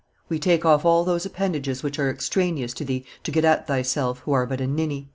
We take off all those appendages which are extraneous to thee to get at thyself, who art but a ninny."